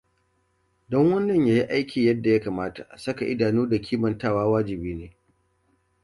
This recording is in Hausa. Don wannan yayi aiki yadda yakamata, saka idanu da kimantawa wajibi ne.